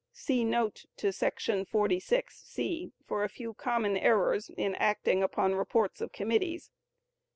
See note to § 46 (c), for a few common errors in acting upon reports of committees.